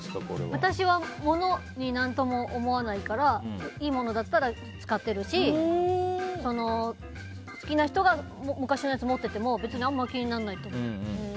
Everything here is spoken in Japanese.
私は物に何とも思わないからいいものだったら、使ってるし好きな人が昔のやつを持っていても別にいいと。